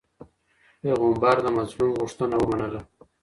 پيغمبر د مظلوم غوښتنه ومنله.